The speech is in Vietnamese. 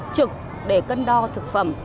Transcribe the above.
trực để cân đo thực phẩm